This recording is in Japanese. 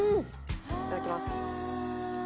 いただきます。